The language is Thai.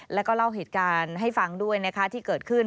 แล้วก็เล่าเหตุการณ์ให้ฟังด้วยนะคะที่เกิดขึ้น